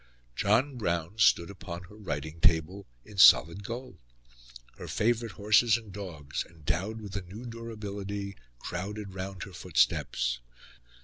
John Brown stood upon her writing table in solid gold. Her favourite horses and dogs, endowed with a new durability, crowded round her footsteps.